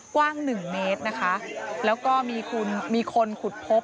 กว้าง๑เมตรนะคะแล้วก็มีคนขุดพบ